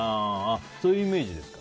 そういうイメージですか。